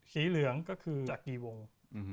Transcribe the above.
สีเหลืองก็คือจากกี่วง